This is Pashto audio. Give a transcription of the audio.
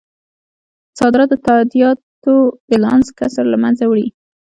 صادرات د تادیاتو بیلانس کسر له مینځه وړي.